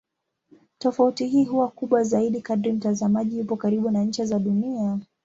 Tofauti hii huwa kubwa zaidi kadri mtazamaji yupo karibu na ncha za Dunia.